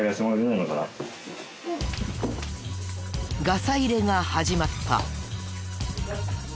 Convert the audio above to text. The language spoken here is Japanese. ガサ入れが始まった。